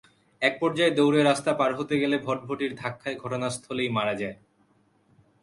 একপর্যায়ে দৌড়ে রাস্তা পার হতে গেলে ভটভটির ধাক্কায় ঘটনাস্থলেই মারা যায়।